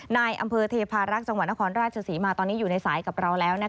ในอำเภอเทพารักษ์จังหวัดนครราชศรีมาตอนนี้อยู่ในสายกับเราแล้ว